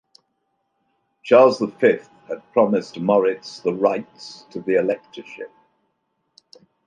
Charles the Fifth had promised Moritz the rights to the electorship.